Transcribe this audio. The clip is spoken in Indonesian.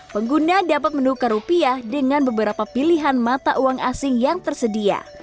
pengguna dapat menukar rupiah dengan beberapa pilihan mata uang asing yang tersedia